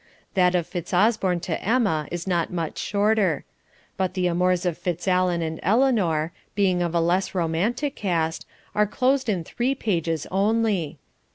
That of Fitzosborne to Emma is not much shorter; but the amours of Fitzallen and Eleanor, being of a less romantic cast, are closed in three pages only.